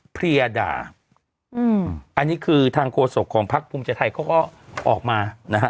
เพลียด่าอืมอันนี้คือทางโฆษกของพักภูมิใจไทยเขาก็ออกมานะฮะ